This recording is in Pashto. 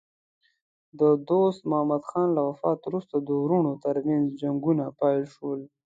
د دوست محمد خان له وفات وروسته د وروڼو ترمنځ جنګونه پیل شول.